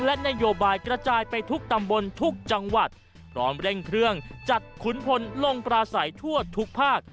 และนโยบายกระจายไปทุกตำบลทุกจังหวัดพร้อมเร่งเครื่องจัดขุนพลลงปราศัยทั่วทุกภาค